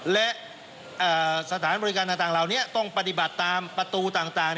และสถานบริการต่างเหล่านี้ต้องปฏิบัติตามประตูต่าง